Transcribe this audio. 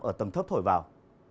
ở tầng thấp thổi vào